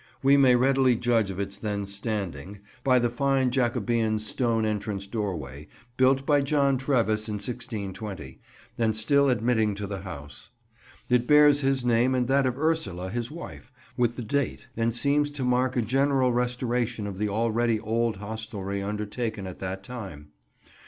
We may readily judge of its then standing, by the fine Jacobean stone entrance doorway, built by John Trevis in 1620, and still admitting to the house. It bears his name and that of Ursula his wife, with the date, and seems to mark a general restoration of the already old hostelry undertaken at that time.